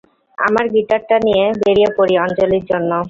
আমার গিটারটা নিয়ে বেরিয়ে পড়ি, অঞ্জলির জন্য।